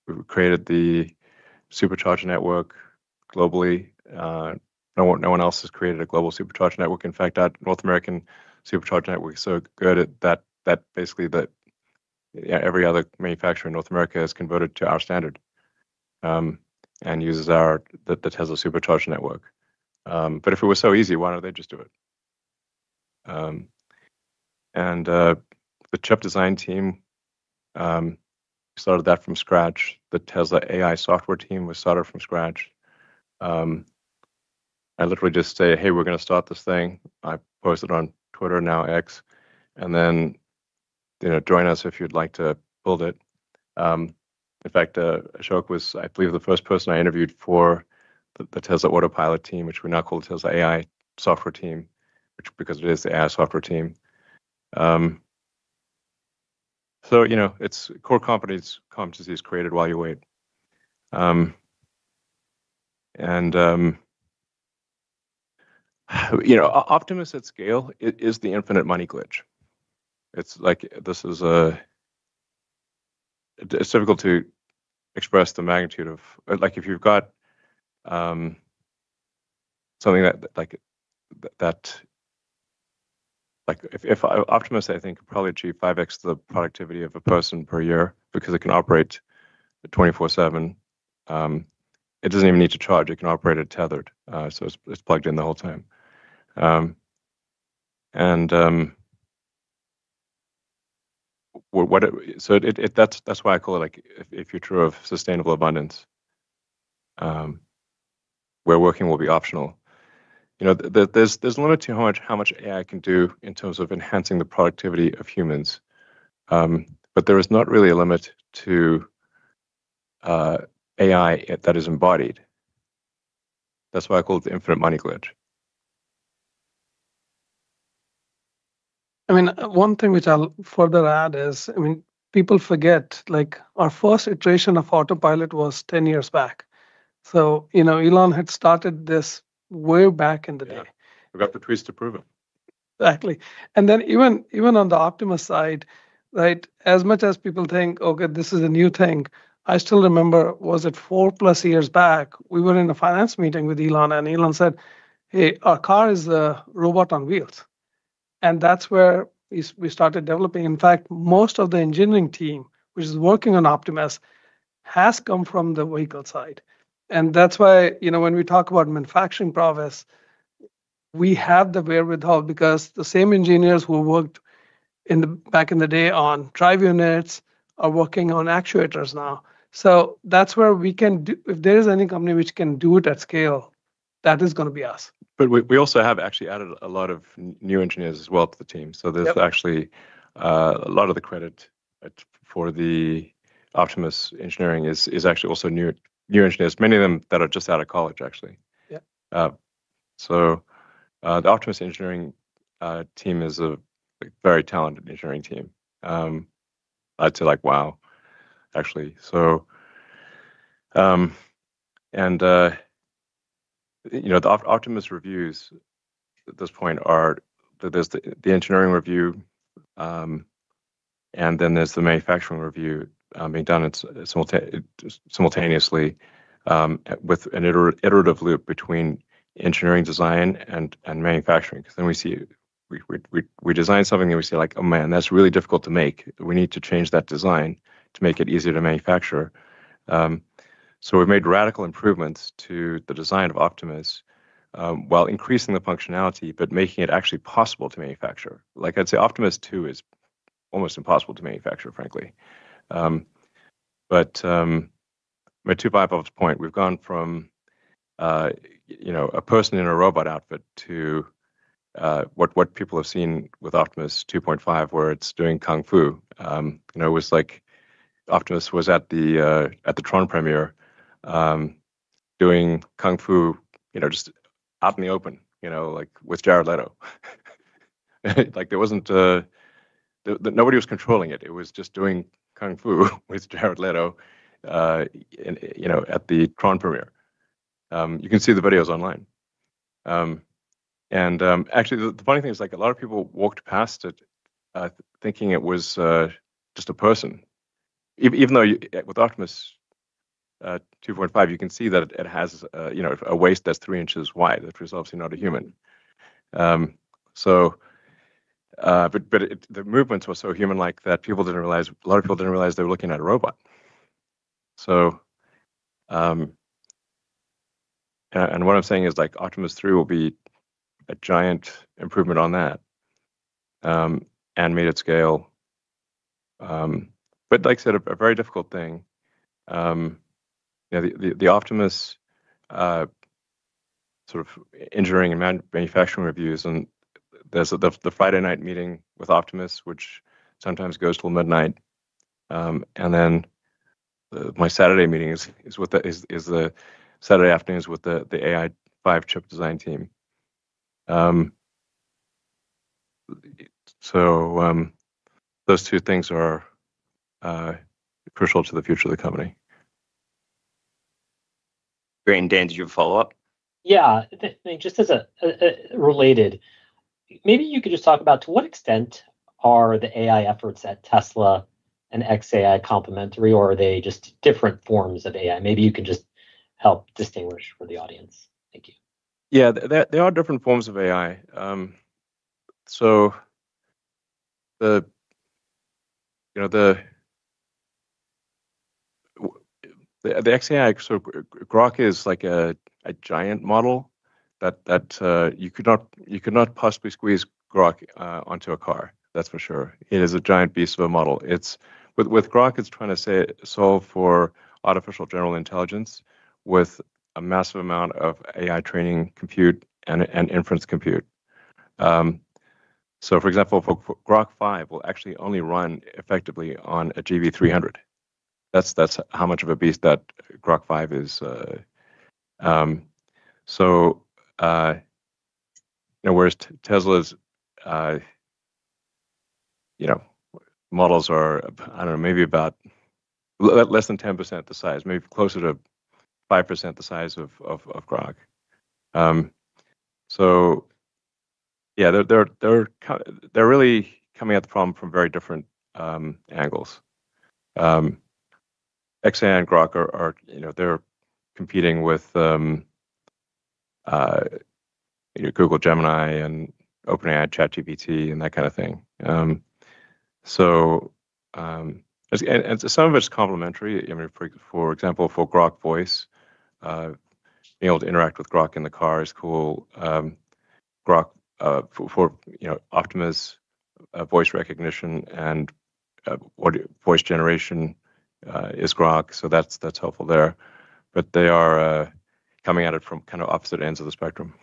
We've created the Supercharging network globally. No one else has created a global Supercharging network. In fact, that North American Supercharging network is so good that basically every other manufacturer in North America has converted to our standard and uses the Tesla Supercharging Network. If it was so easy, why don't they just do it? The chip design team, we started that from scratch. The Tesla AI software team, we started from scratch. I literally just say, "Hey, we're going to start this thing." I post it on Twitter, now X, and then, you know, join us if you'd like to build it. In fact, Ashok was, I believe, the first person I interviewed for the Tesla Autopilot team, which we now call the Tesla AI Software Team, because it is the AI Software Team. It's core competencies created while you wait. Optimus at scale is the infinite money glitch. It's like this is a, it's difficult to express the magnitude of, like if you've got something that, like if Optimus, I think, could probably achieve 5x the productivity of a person per year because it can operate 24/7. It doesn't even need to charge. It can operate at tethered. It's plugged in the whole time. That's why I call it like if you're true of sustainable abundance, where working will be optional. There's a limit to how much AI can do in terms of enhancing the productivity of humans. There is not really a limit to AI that is embodied. That's why I call it the infinite money glitch. One thing which I'll further add is, people forget, like our first iteration of Autopilot was 10 years back. Elon had started this way back in the day. We've got the trees to prove it. Exactly. Even on the Optimus side, as much as people think, "Okay, this is a new thing," I still remember, was it four plus years back, we were in a finance meeting with Elon and Elon said, "Hey, our car is a robot on wheels." That's where we started developing. In fact, most of the engineering team, which is working on Optimus, has come from the vehicle side. That's why, you know, when we talk about manufacturing progress, we have the wherewithal because the same engineers who worked back in the day on drive units are working on actuators now. If there is any company which can do it at scale, that is going to be us. We have actually added a lot of new engineers as well to the team. There's actually a lot of the credit for the Optimus engineering that is also new engineers, many of them that are just out of college, actually. The Optimus engineering team is a very talented engineering team. I'd say like, "Wow." The Optimus Reviews at this point are that there's the Engineering Review, and then there's the Manufacturing Review being done simultaneously with an iterative loop between engineering design and manufacturing. We design something and we see like, "Oh man, that's really difficult to make. We need to change that design to make it easier to manufacture." We have made radical improvements to the design of Optimus while increasing the functionality, but making it actually possible to manufacture. I'd say Optimus 2 is almost impossible to manufacture, frankly. My two bypass points, we've gone from a person in a robot outfit to what people have seen with Optimus 2.5 where it's doing Kung Fu. Optimus was at the Tron premiere doing Kung Fu, just out in the open, like with Jared Leto. Nobody was controlling it. It was just doing Kung Fu with Jared Leto at the Tron premiere. You can see the videos online. The funny thing is a lot of people walked past it thinking it was just a person. Even though with Optimus 2.5, you can see that it has a waist that's 3 in wide that's obviously not a human. The movements were so human-like that a lot of people didn't realize they were looking at a robot. What I'm saying is Optimus 3 will be a giant improvement on that and made at scale. A very difficult thing. The Optimus engineering and manufacturing reviews, and there's the Friday night meeting with Optimus, which sometimes goes till midnight. My Saturday meeting is with the Saturday afternoons with the AI5 chip design team. Those two things are crucial to the future of the company. Great. Dan, did you have a follow-up? Yeah, just as a related, maybe you could just talk about to what extent are the AI efforts at Tesla and xAI complimentary, or are they just different forms of AI? Maybe you can just help distinguish for the audience. Thank you. Yeah, there are different forms of AI. The xAI, so Grok is like a giant model that you could not possibly squeeze Grok onto a car. That's for sure. It is a giant beast of a model. With Grok, it's trying to solve for artificial general intelligence with a massive amount of AI training, compute, and inference compute. For example, Grok 5 will actually only run effectively on a GV300. That's how much of a beast that Grok 5 is. Whereas Tesla's models are, I don't know, maybe about less than 10% the size, maybe closer to 5% the size of Grok. They're really coming at the problem from very different angles. xAI and Grok, you know, they're competing with Google Gemini and OpenAI ChatGPT and that kind of thing. Some of it is complementary. For example, for Grok voice, being able to interact with Grok in the car is cool. Grok for Optimus voice recognition and voice generation is Grok. That's helpful there. They are coming at it from kind of opposite ends of the spectrum.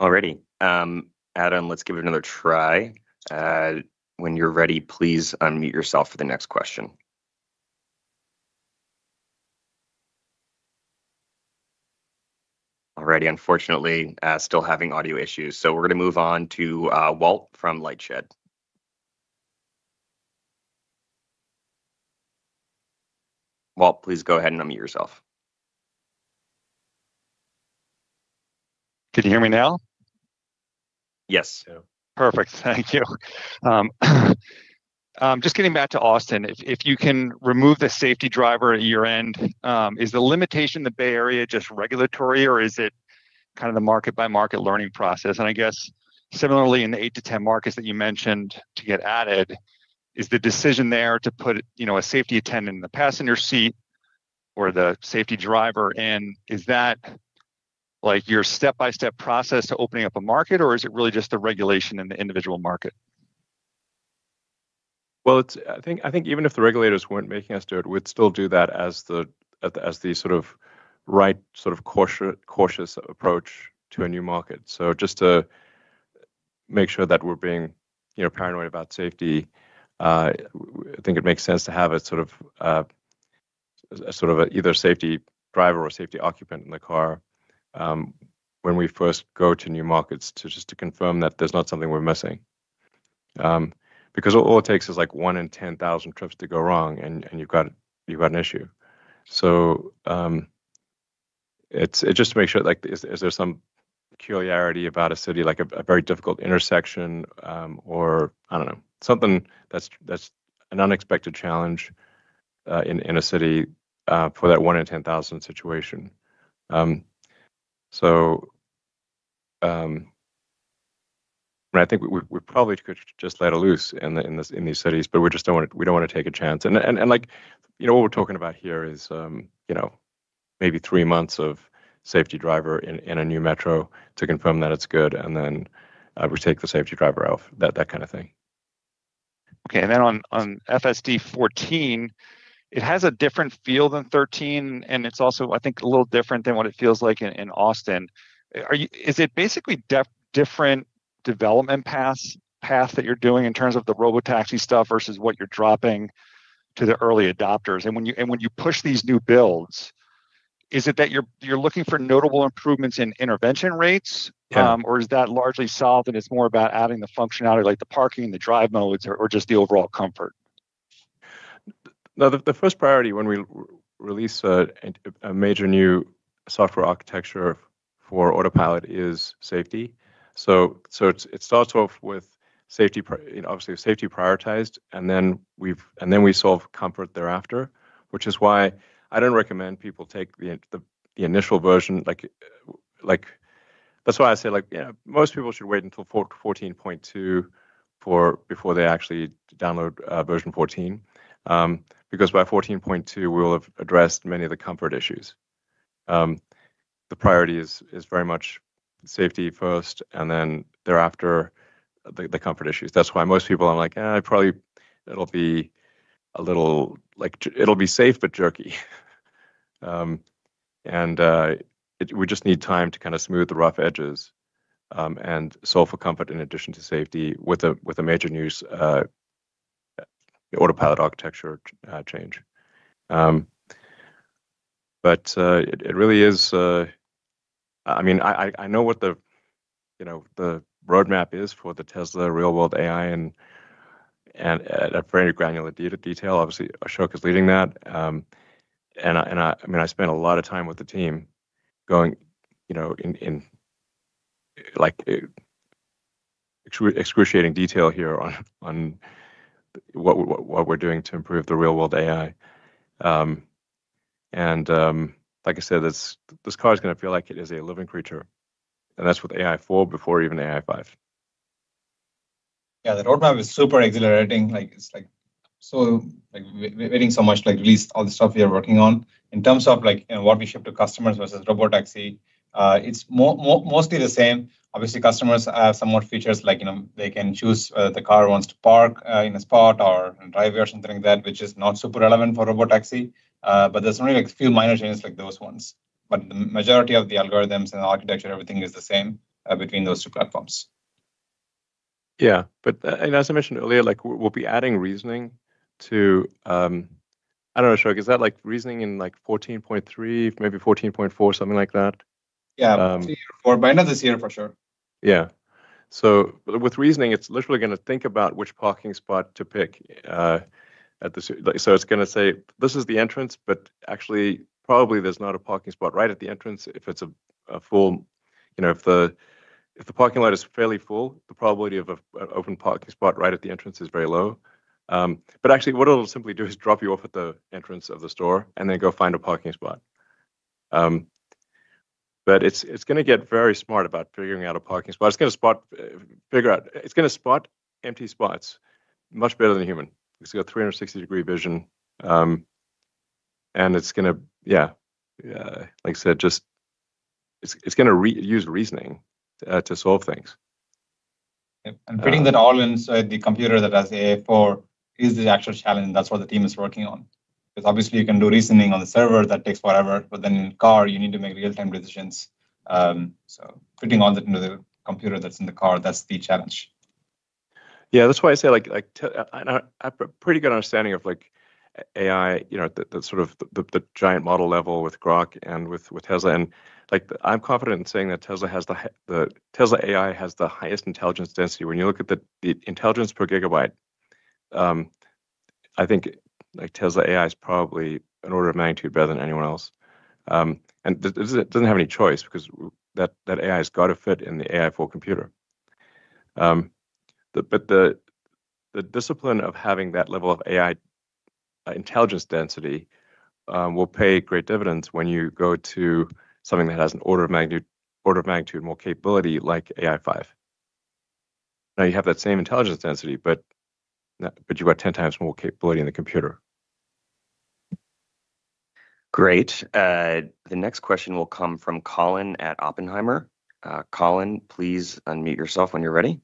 All righty. Adam, let's give it another try. When you're ready, please unmute yourself for the next question. All righty. Unfortunately, still having audio issues. We're going to move on to Walt from Lightshed. Walt, please go ahead and unmute yourself. Can you hear me now? Yes. Perfect. Thank you. Just getting back to Austin, if you can remove the safety driver at your end, is the limitation in the Bay Area just regulatory, or is it kind of the market-by-market learning process? I guess similarly in the eight to 10 markets that you mentioned to get added, is the decision there to put a safety attendant in the passenger seat or the safety driver in, is that like your step-by-step process to opening up a market, or is it really just the regulation in the individual market? I think even if the regulators weren't making us do it, we'd still do that as the sort of right sort of cautious approach to a new market. Just to make sure that we're being paranoid about safety, I think it makes sense to have a sort of either safety driver or safety occupant in the car when we first go to new markets to just confirm that there's not something we're missing. Because all it takes is like one in 10,000 trips to go wrong, and you've got an issue. It's just to make sure, like is there some peculiarity about a city, like a very difficult intersection or, I don't know, something that's an unexpected challenge in a city for that one in 10,000 situation? I think we probably could just let it loose in these cities, but we just don't want to take a chance. What we're talking about here is, you know, maybe three months of safety driver in a new metro to confirm that it's good, and then we take the safety driver out, that kind of thing. Okay. On FSD 14, it has a different feel than 13, and it's also, I think, a little different than what it feels like in Austin. Is it basically a different development path that you're doing in terms of the robotaxi stuff versus what you're dropping to the early adopters? When you push these new builds, is it that you're looking for notable improvements in intervention rates, or is that largely solved and it's more about adding the functionality, like the parking, the drive modes, or just the overall comfort? The first priority when we release a major new software architecture for Autopilot is safety. It starts off with safety, obviously safety prioritized, and then we solve comfort thereafter, which is why I don't recommend people take the initial version. That's why I say, like, most people should wait until 14.2 before they actually download version 14. Because by 14.2, we will have addressed many of the comfort issues. The priority is very much safety first, and then thereafter the comfort issues. That's why most people are like, yeah, I probably it'll be a little, like, it'll be safe, but jerky. We just need time to kind of smooth the rough edges and solve for comfort in addition to safety with a major new Autopilot architecture change. It really is, I mean, I know what the roadmap is for the Tesla real-world AI and at very granular detail. Obviously, Ashok is leading that. I mean, I spent a lot of time with the team going, you know, in excruciating detail here on what we're doing to improve the real-world AI. Like I said, this car is going to feel like it is a living creature. That's with AI4 before even AI5. Yeah, that roadmap is super exhilarating. We're waiting so much to release all the stuff we are working on. In terms of what we ship to customers versus robotaxi, it's mostly the same. Obviously, customers have somewhat features like, you know, they can choose whether the car wants to park in a spot or in a driveway or something like that, which is not super relevant for robotaxi. There's only a few minor changes like those ones. The majority of the algorithms and architecture, everything is the same between those two platforms. Yeah, as I mentioned earlier, we'll be adding reasoning to, I don't know, Ashok, is that like reasoning in 14.3, maybe 14.4, something like that? Yeah, by the end of this year for sure. Yeah. With reasoning, it's literally going to think about which parking spot to pick. It's going to say, this is the entrance, but actually, probably there's not a parking spot right at the entrance if it's full, you know, if the parking lot is fairly full, the probability of an open parking spot right at the entrance is very low. What it'll simply do is drop you off at the entrance of the store and then go find a parking spot. It's going to get very smart about figuring out a parking spot. It's going to spot, figure out, it's going to spot empty spots much better than a human. It's got 360 vision. Like I said, it's going to use reasoning to solve things. Fitting that all inside the computer that has the AI4 is the actual challenge. That is what the team is working on, because obviously, you can do reasoning on the server that takes forever, but in the car, you need to make real-time decisions. Fitting all that into the computer that's in the car is the challenge. Yeah, that's why I say, like, I have a pretty good understanding of like AI, you know, the sort of the giant model level with Grok and with Tesla. I'm confident in saying that Tesla AI has the highest intelligence density. When you look at the intelligence per gigabyte, I think like Tesla AI is probably an order of magnitude better than anyone else. It doesn't have any choice because that AI has got to fit in the AI4 computer. The discipline of having that level of AI intelligence density will pay great dividends when you go to something that has an order of magnitude more capability like AI5. Now you have that same intelligence density, but you've got 10x more capability in the computer. Great. The next question will come from Colin at Oppenheimer. Colin, please unmute yourself when you're ready.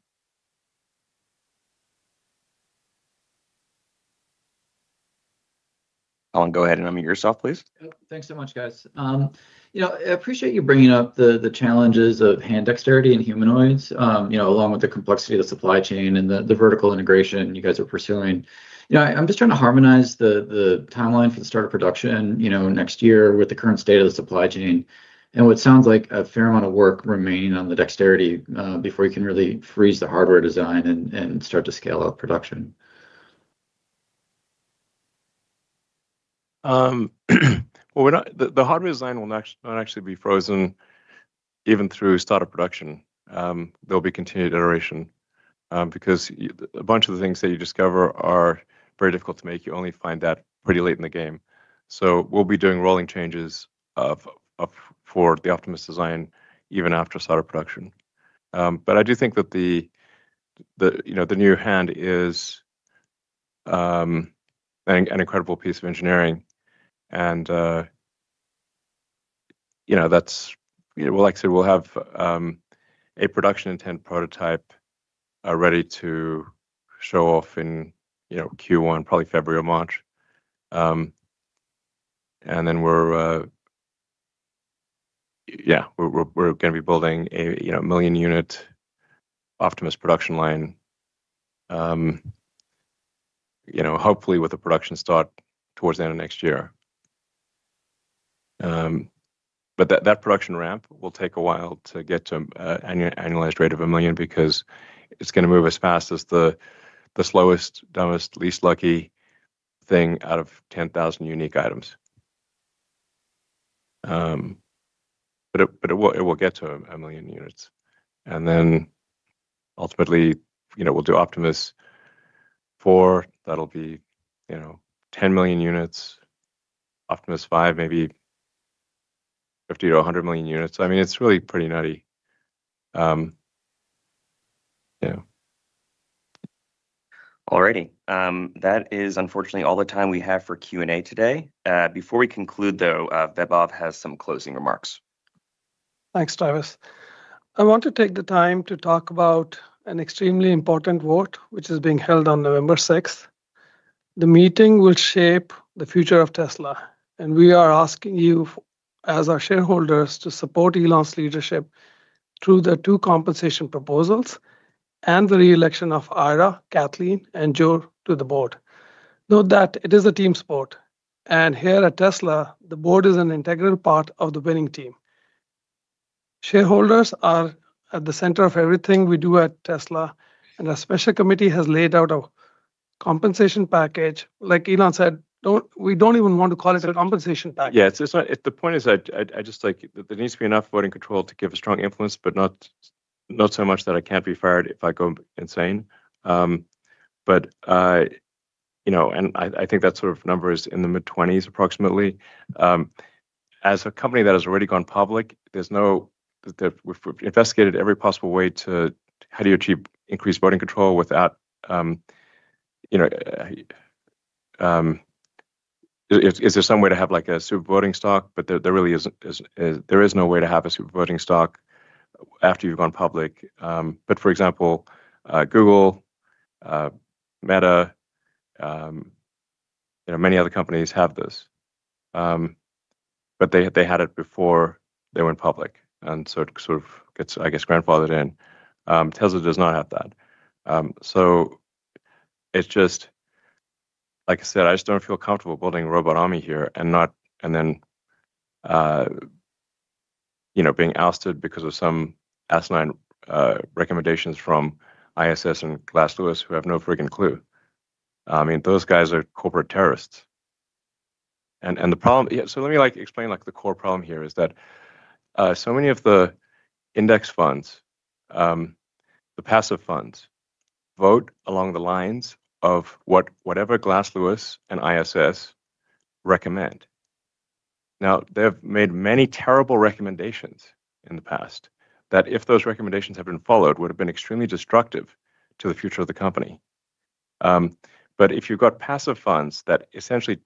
Colin, go ahead and unmute yourself, please. Thanks so much, guys. I appreciate you bringing up the challenges of hand dexterity and humanoids, along with the complexity of the supply chain and the vertical integration you guys are pursuing. I'm just trying to harmonize the timeline for the start of production next year with the current state of the supply chain and what sounds like a fair amount of work remaining on the dexterity before you can really freeze the hardware design and start to scale up production. The hardware design will not actually be frozen even through startup production. There will be continued iteration because a bunch of the things that you discover are very difficult to make. You only find that pretty late in the game. We will be doing rolling changes for the Optimus design even after startup production. I do think that the new hand is an incredible piece of engineering. Like I said, we'll have a production intent prototype ready to show off in Q1, probably February or March. We're going to be building a million-unit Optimus production line, hopefully with a production start towards the end of next year. That production ramp will take a while to get to an annualized rate of a million because it's going to move as fast as the slowest, dumbest, least lucky thing out of 10,000 unique items. It will get to a million units. Ultimately, we'll do Optimus 4. That will be 10 million units. Optimus 5, maybe 50-100 million units. I mean, it's really pretty nutty. All righty. That is unfortunately all the time we have for Q&A today. Before we conclude, though, Vaibhav has some closing remarks. Thanks, Travis. I want to take the time to talk about an extremely important vote, which is being held on November 6. The meeting will shape the future of Tesla. We are asking you, as our shareholders, to support Elon's leadership through the two compensation proposals and the reelection of Ira, Kathleen, and Joe to the Board. It is a team sport. Here at Tesla, the board is an integral part of the winning team. Shareholders are at the center of everything we do at Tesla. A special committee has laid out a compensation package. Like Elon said, we don't even want to call it a compensation package. Yeah, the point is that I just, like, there needs to be enough voting control to give a strong influence, but not so much that I can't be fired if I go insane. I think that sort of number is in the mid-20s, approximately. As a company that has already gone public, we've investigated every possible way to achieve increased voting control. Is there some way to have a super voting stock? There really isn't. There is no way to have a super voting stock after you've gone public. For example, Google, Meta, many other companies have this, but they had it before they went public, and it sort of gets, I guess, grandfathered in. Tesla does not have that. Like I said, I just don't feel comfortable building a robot army here and then being ousted because of some asinine recommendations from ISS and Glass Lewis, who have no frigging clue. I mean, those guys are corporate terrorists. Let me explain the core problem here. So many of the index funds, the passive funds, vote along the lines of whatever Glass Lewis and ISS recommend. They've made many terrible recommendations in the past that, if those recommendations had been followed, would have been extremely destructive to the future of the company. If you've got passive funds that essentially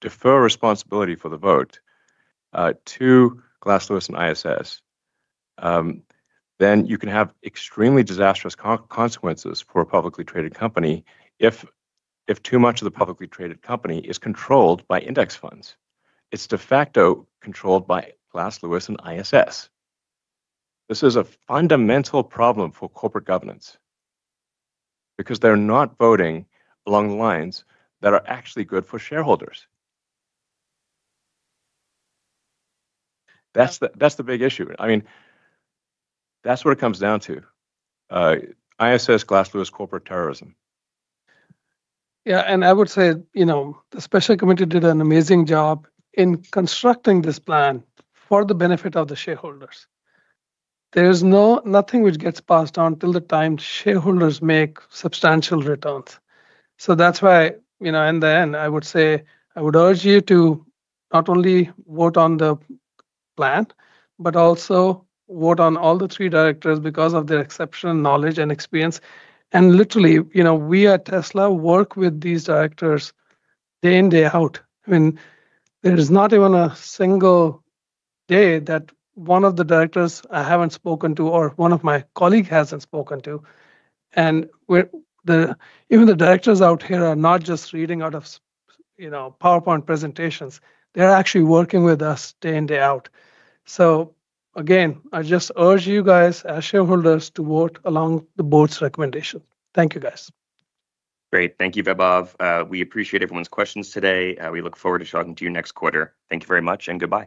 defer responsibility for the vote to Glass Lewis and ISS, then you can have extremely disastrous consequences for a publicly traded company. Too much of the publicly traded company is controlled by index funds, it's de facto controlled by Glass Lewis and ISS. This is a fundamental problem for corporate governance because they're not voting along lines that are actually good for shareholders. That's the big issue. I mean, that's what it comes down to: ISS, Glass Lewis, Corporate Terrorism. Yeah, I would say the special committee did an amazing job in constructing this plan for the benefit of the shareholders. There's nothing which gets passed on till the time shareholders make substantial returns. That's why, in the end, I would say I would urge you to not only vote on the plan, but also vote on all the three directors because of their exceptional knowledge and experience. Literally, we at Tesla work with these directors day-in, day-out. There's not even a single day that one of the directors I haven't spoken to or one of my colleagues hasn't spoken to. Even the directors out here are not just reading out of PowerPoint presentations. They're actually working with us day-in, day-out. I just urge you guys as shareholders to vote along the Board's recommendation. Thank you, guys. Great. Thank you, Vaibhav. We appreciate everyone's questions today. We look forward to talking to you next quarter. Thank you very much and goodbye.